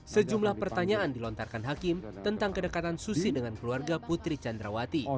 sejumlah pertanyaan dilontarkan hakim tentang kedekatan susi dengan keluarga putri candrawati